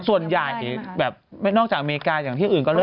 แต่หมายถึงว่าส่วนใหญ่นอกจากอเมริกาอย่างที่อื่นก็เริ่ม